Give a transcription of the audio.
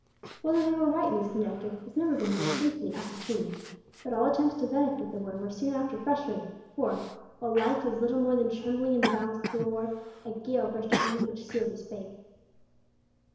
Whether they were right in this conjecture has never been distinctly ascertained. But all attempts to benefit the boy were soon after frustrated, for, while life was little more than trembling in the balance with Will Ward, a gale burst upon them which sealed his fate.